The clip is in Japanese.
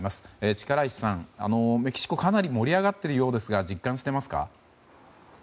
力石さん、メキシコはかなり盛り上がっているようですが実感してますか？